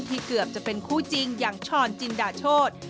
เกือบจะเป็นคู่จริงอย่างช้อนจินดาโชธ